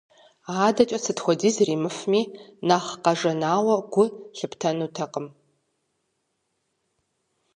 АдэкӀэ сыт хуэдиз иримыфми, нэхъ къэжанауэ гу лъыптэнутэкъым.